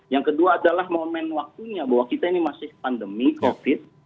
yang kedua adalah momen waktunya bahwa kita ini masih pandemi covid